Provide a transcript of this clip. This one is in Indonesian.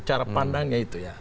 cara pandangnya itu ya